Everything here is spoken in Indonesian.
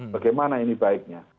bagaimana ini baiknya